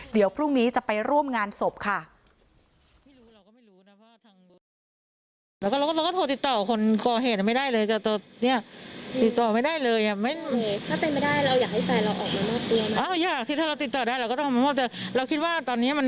เดี๋ยวพรุ่งนี้จะไปร่วมงานศพค่ะ